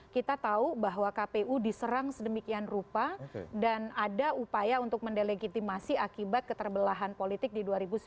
kita tahu bahwa kpu diserang sedemikian rupa dan ada upaya untuk mendelegitimasi akibat keterbelahan politik di dua ribu sembilan belas